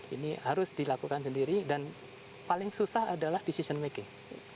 ini harus dilakukan sendiri dan paling susah adalah decision making